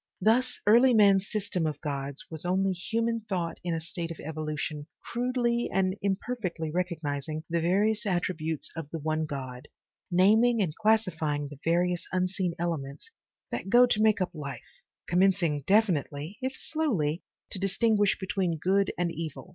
Thus early man's system of gods was only human thought in a state of evolution crudely and imperfectly recognizing the various attributes of the one God, naming and classifying the various unseen elements that go to make up life, commencing definitely, if slowly, to distinguish between good and evil.